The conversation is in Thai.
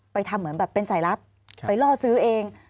ทำเหมือนแบบเป็นสายลับไปล่อซื้อเอง